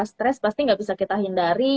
stress pasti gak bisa kita hindari